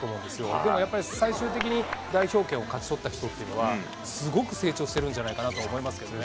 でもやっぱり、最終的に代表権を勝ち取った人っていうのは、すごく成長してるんじゃないかなと思いますけどね。